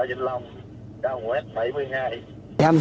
em ra ngoài này làm gì